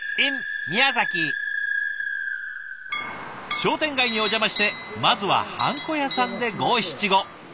商店街にお邪魔してまずははんこ屋さんで五七五。